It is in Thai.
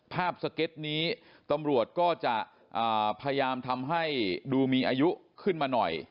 สเก็ตนี้ตำรวจก็จะพยายามทำให้ดูมีอายุขึ้นมาหน่อย